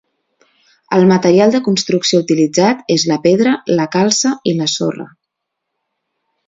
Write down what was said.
El material de construcció utilitzat és la pedra, la calça i la sorra.